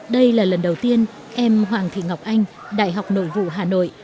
đây là lần đầu tiên em hoàng thị ngọc anh đại học nội vụ hà nội